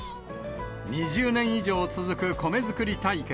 ２０年以上続く米作り体験。